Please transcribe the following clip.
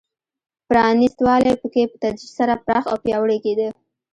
پرانېست والی په کې په تدریج سره پراخ او پیاوړی کېده.